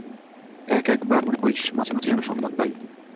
এক-একবার মনে করিস, মাঝে মাঝে যেন সংবাদ পাই।